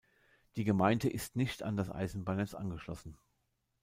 Die Gemeinde ist nicht an das Eisenbahnnetz angeschlossen.